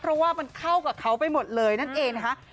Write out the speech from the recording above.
เพราะว่ามันเข้ากับเขาไปหมดเลยนั่นเองนะคะ